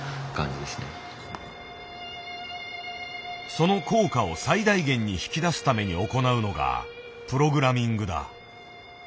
その効果を最大限に引き出すために行うのがプログラミングだ。